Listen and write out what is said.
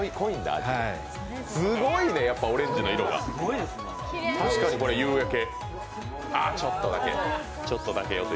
すごいね、オレンジの色が確かに夕焼け。